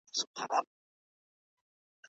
ما پرون د پښتو ژبي په اړه یو مهم یادښت ولیکی